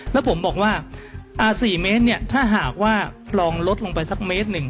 แล้วผมบอกว่า๔เมตรเนี่ยถ้าหากว่าลองลดลงไปสักเมตรหนึ่ง